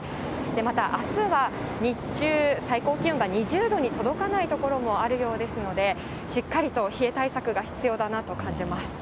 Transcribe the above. また、あすは日中、最高気温が２０度に届かない所もあるようですので、しっかりと冷え対策が必要だなと感じます。